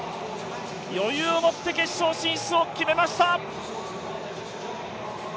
余裕を持って決勝進出を決めました。